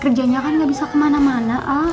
kerjanya kan nggak bisa kemana mana a'a